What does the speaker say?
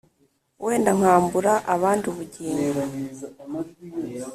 Wenda nkambura abandi ubugingo